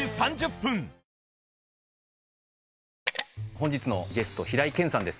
本日のゲスト平井堅さんです。